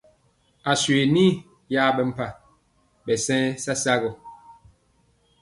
Aswe ni yaɓɛ mpa, ɓɛ sa nyaa sasa gɔ.